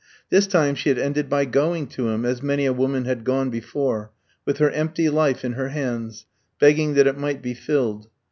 This time she had ended by going to him, as many a woman had gone before, with her empty life in her hands, begging that it might be filled.